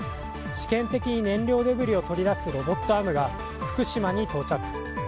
試験的に燃料デブリを取り出すロボットアームが福島に到着。